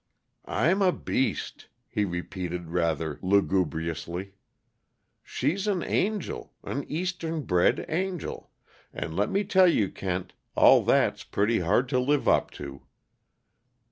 "I'm a beast," he repeated rather lugubriously. "She's an angel an Eastern bred angel. And let me tell you, Kent, all that's pretty hard to live up to!"